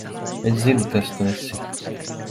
Es zinu, kas tu esi.